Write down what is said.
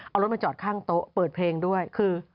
เอารถมาจอดข้างโต๊ะเปิดเพลงด้วยคือ